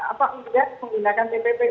apa juga menggunakan dbtu